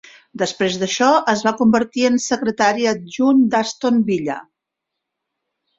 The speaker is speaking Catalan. Després d'això, es va convertir en secretari adjunt d'Aston Villa.